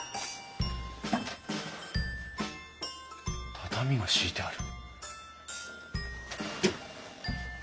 畳が敷いてある。